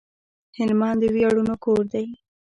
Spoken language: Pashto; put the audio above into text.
هلمند د وياړونو کور دی